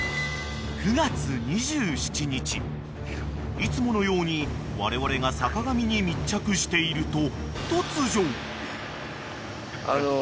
［いつものようにわれわれが坂上に密着していると突如！］